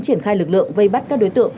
triển khai lực lượng vây bắt các đối tượng